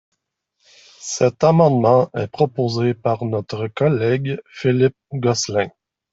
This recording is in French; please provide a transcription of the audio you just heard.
Cet amendement est proposé par notre collègue Philippe Gosselin.